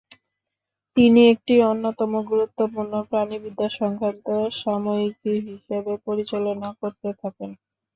তিনি একটি অন্যতম গুরুত্বপূর্ণ প্রাণিবিদ্যা সংক্রান্ত সাময়িকী হিসেবে পরিচালনা করতে থাকেন।